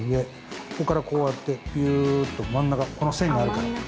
ここからこうやってぴゅっと真ん中この線があるから。